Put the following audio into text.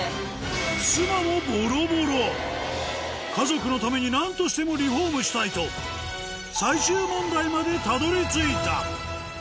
ふすまも家族のために何としてもリフォームしたいと最終問題までたどり着いた